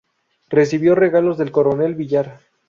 Recibió regalos del Coronel Villar.